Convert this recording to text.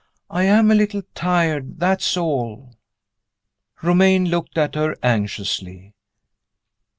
I am a little tired that's all." Romayne looked at her anxiously.